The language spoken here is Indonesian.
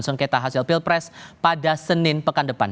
sengketa hasil pilpres pada senin pekan depan